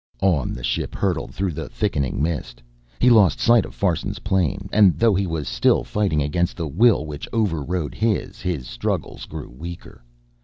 On the ship hurtled through the thickening mist. He lost sight of Farson's plane. And, though he was still fighting against the will which over rode his, his struggles grew weaker.